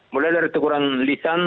mulai dari teguran lisan